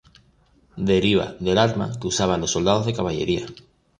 Deriva del arma que usaban los soldados de caballería.